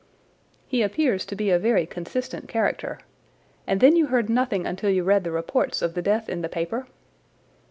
"He appears to be a very consistent character. And then you heard nothing until you read the reports of the death in the paper?"